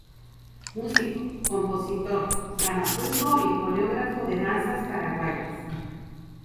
Músico, compositor, dramaturgo y coreógrafo de danzas paraguayas.